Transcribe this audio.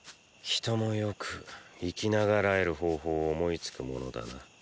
人もよく生きながらえる方法を思いつくものだな。